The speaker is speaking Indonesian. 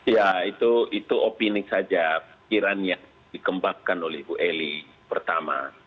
ya itu opini saja pikiran yang dikembangkan oleh bu eli pertama